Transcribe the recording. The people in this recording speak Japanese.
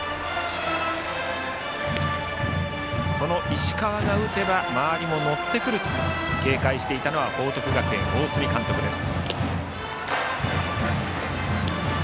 この石川が打てば周りも乗ってくると警戒していたのは報徳学園、大角監督です。